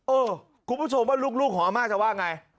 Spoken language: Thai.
เออคุณผู้ชมว่าลูกของอาม่าจะว่าอย่างไร